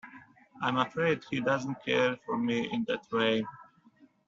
I'm afraid he doesn't care for me in that way.